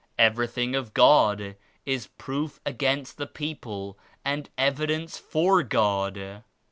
Everything of God is proof against the people and evidence for God.